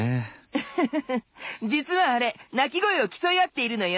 ウフフフ実はあれ鳴き声を競い合っているのよ。